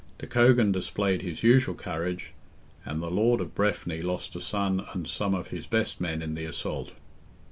De Cogan displayed his usual courage, and the lord of Breffni lost a son and some of his best men in the assault.